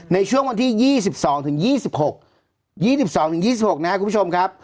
ในช่วงวันที่๒๒๒๒๖นะครับคุณผู้ชมครับ